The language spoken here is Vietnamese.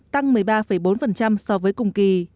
tăng một mươi ba bốn so với cùng kỳ